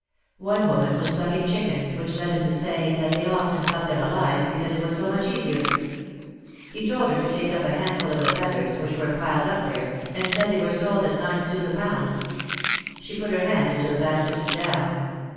One woman was plucking chickens, which led him to say, that they often plucked them alive, because it was so much easier. He told her to take up a handful of the feathers, which were piled up there, and said they were sold at nine sous the pound. She put her hand into the baskets of down.